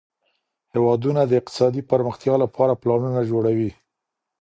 هیوادونه د اقتصادي پرمختیا لپاره پلانونه جوړوي.